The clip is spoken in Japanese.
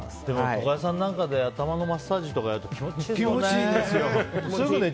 床屋さんなんかで頭のマッサージなんかすると気持ちいいよね。